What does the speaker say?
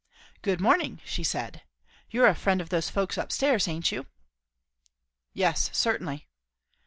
"Good morning!" she said. "You're a friend of those folks up stairs, aint you?" "Yes, certainly."